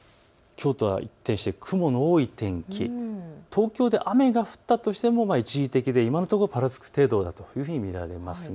きょうとは一転して雲の多い天気、東京で雨が降ったとしても一時的で今のところぱらつく程度だと見られています。